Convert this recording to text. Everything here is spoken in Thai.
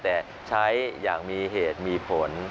แต่ใช้อย่างมีเหตุมีผล